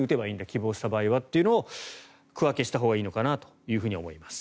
希望した場合はというのを区分けしたほうがいいかなと思います。